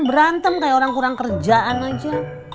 berantem kayak orang kurang kerjaan aja